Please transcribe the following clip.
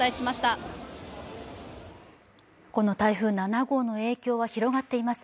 この台風７号の影響は広がっています。